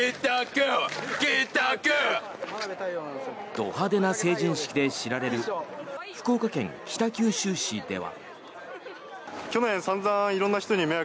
ど派手な成人式で知られる福岡県北九州市では。